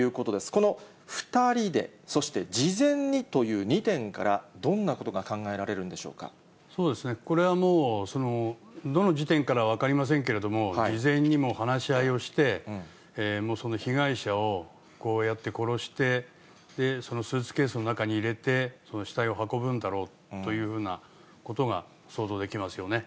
この２人で、そして事前にという２点から、どんなことが考えられるんでしょこれはもう、どの時点からかは分かりませんけれども、事前にもう話し合いをして、被害者をこうやって殺して、そのスーツケースの中に入れて、その死体を運ぶんだろうというふうなことが想像できますよね。